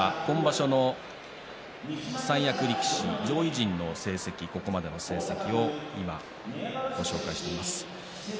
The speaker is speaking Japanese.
画面では今場所の三役力士上位陣の成績、ここまでの成績をご紹介しています。